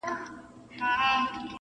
شپه تپېږم تر سهاره لکه مار پر زړه وهلی-